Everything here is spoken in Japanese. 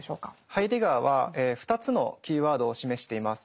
ハイデガーは２つのキーワードを示しています。